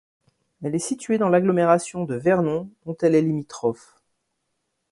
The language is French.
Elle est située dans l'agglomération de Vernon dont elle est limitrophe.